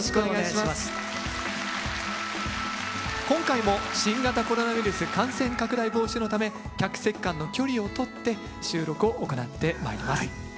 今回も新型コロナウイルス感染拡大防止のため客席間の距離をとって収録を行ってまいります。